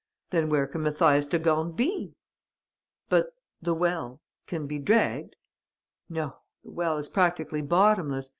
Then where can Mathias de Gorne be?" "But the well ... can be dragged?" "No. The well is practically bottomless.